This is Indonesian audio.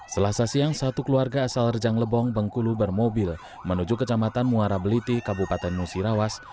selasa siang satu keluarga asal rejang lebong bengkulu bermobil menuju kecamatan muara beliti kabupaten musirawas